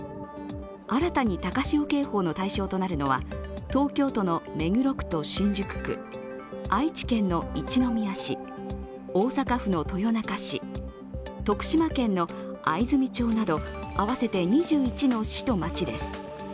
新たに高潮警報の対象となるのは、東京都の目黒区と新宿区、愛知県の一宮市、大阪府の豊中市、徳島県の藍住町など合わせて２１の市と町です。